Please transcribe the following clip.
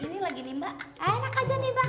ini lagi nih mbak enak aja nih mbak